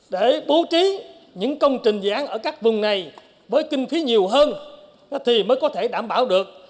để bố trí những công trình dự án ở các vùng này với kinh phí nhiều hơn thì mới có thể đảm bảo được